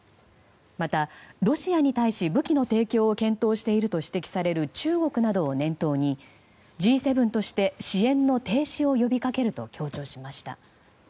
また、ロシアに対し武器の提供を検討していると指摘される中国などを念頭にＧ７として支援の停止を呼びかけると強調しました。